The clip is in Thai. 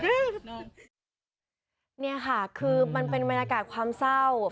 ฝั่งคนก่อเหตุก็ต้องเหมือนกับจากลูกของตัวเองจากเมียของตัวเองไปอีก